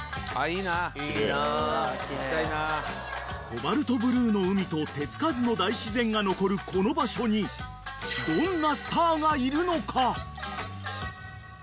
［コバルトブルーの海と手付かずの大自然が残るこの場所にどんなスターがいるのか］